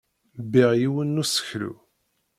Bbiɣ yiwen n useklu.